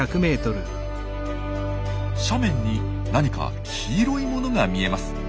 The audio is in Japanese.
斜面に何か黄色いものが見えます。